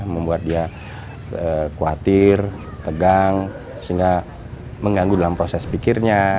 membuat dia khawatir tegang sehingga mengganggu dalam proses pikirnya